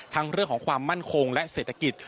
เรื่องของความมั่นคงและเศรษฐกิจ